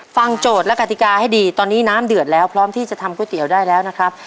โจทย์และกติกาให้ดีตอนนี้น้ำเดือดแล้วพร้อมที่จะทำก๋วยเตี๋ยวได้แล้วนะครับ